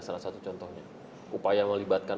salah satu contohnya upaya melibatkan